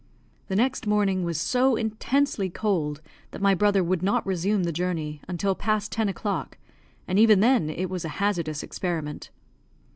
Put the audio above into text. The next morning was so intensely cold that my brother would not resume the journey until past ten o'clock, and even then it was a hazardous experiment.